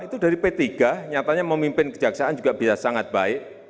ternyata memimpin kejaksaan juga bisa sangat baik